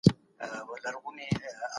غچ اخیستل تر شرابو ډیر نشه کوونکی دی.